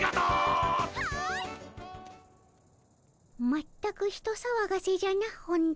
まったく人さわがせじゃな本田。